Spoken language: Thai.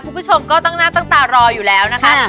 คุณผู้ชมก็ตั้งหน้าตั้งตารออยู่แล้วนะคะ